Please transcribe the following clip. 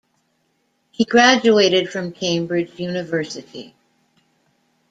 He graduated from Cambridge University.